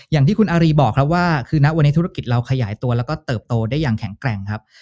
อย่างที่คุณอารีบอกครับว่าคือณวันนี้ธุรกิจเราขยายตัวแล้วก็เติบโตได้อย่างแข็งแกร่งครับ